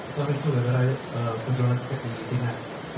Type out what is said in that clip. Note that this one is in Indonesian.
itu rincun ada raya penjualan tiket di tim nasional